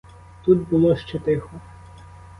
Тут було ще тихо.